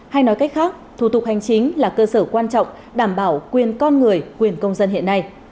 hay nói cách khác thủ tục hành chính là cơ sở quan trọng đảm bảo quyền con người quyền công dân hiện nay